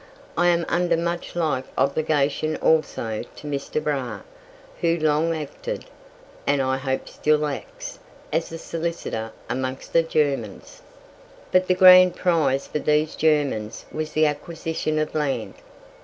I am under much like obligation also to Mr. Brahe, who long acted, and I hope still acts, as a solicitor amongst the Germans. But the grand prize for these Germans was the acquisition of land.